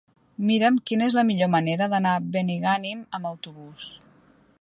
Mira'm quina és la millor manera d'anar a Benigànim amb autobús.